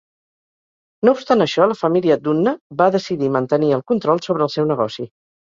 No obstant això, la família Dunne va decidir mantenir el control sobre el seu negoci.